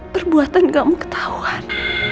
perbuatan kamu ketahuan